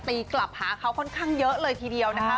ตีกลับหาเขาค่อนข้างเยอะเลยทีเดียวนะคะ